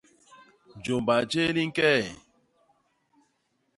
Jômba jé li ñke.